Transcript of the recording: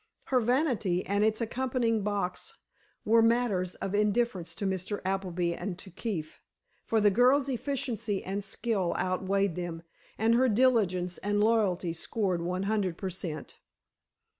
Her vanity and its accompanying box were matters of indifference to Mr. Appleby and to Keefe, for the girl's efficiency and skill outweighed them and her diligence and loyalty scored one hundred per cent.